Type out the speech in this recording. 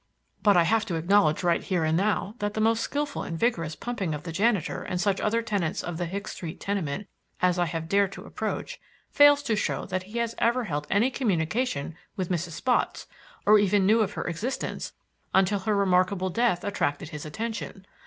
But I have to acknowledge right here and now that the most skillful and vigourous pumping of the janitor and such other tenants of the Hicks Street tenement as I have dared to approach, fails to show that he has ever held any communication with Mrs. Spotts, or even knew of her existence until her remarkable death attracted his attention.